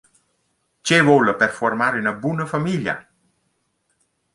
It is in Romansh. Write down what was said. Che voula per fuormar üna buna famiglia?